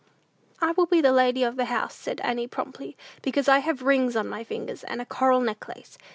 "I will be the lady of the house," said Annie, promptly, "because I have rings on my fingers, and a coral necklace.